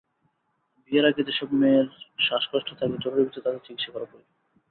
বিয়ের আগে যেসব মেয়ের শ্বাসকষ্ট থাকে জরুরি ভিত্তিতে তাঁদের চিকিৎসা করা প্রয়োজন।